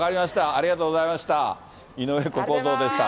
ありがとうございます。